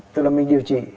tức là mình điều trị